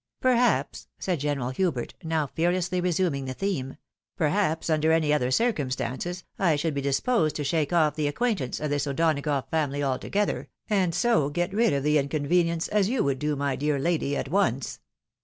" Perhaps," said General Htibert, now fearlessly resuming the theme, —" perhaps, under any other circumstances, I shoijld be disposed to shake off the acquaintance of this O'Donagough family altogether, and so get rid of the inconvenience as you would do, my dear lady, at once.